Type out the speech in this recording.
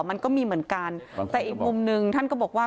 มันก็มีเหมือนกันแต่อีกมุมหนึ่งท่านก็บอกว่า